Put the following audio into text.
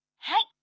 「はい。